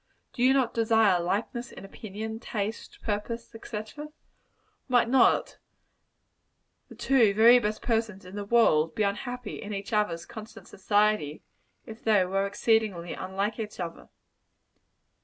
Do you not desire likeness in opinion, taste, purpose, &c.? Might not the two very best persons in the world be unhappy in each other's constant society, if they were exceedingly unlike each other?